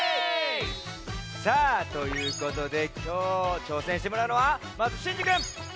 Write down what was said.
さあということできょうちょうせんしてもらうのはまずシンジくん！